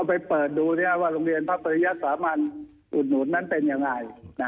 เอาไปเปิดดูเนี่ยว่าโรงเรียนพระปริญญาติธรรมสามัญอุดหนุนมันเป็นยังไง